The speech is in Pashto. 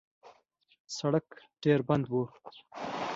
سړک ډېر بند و.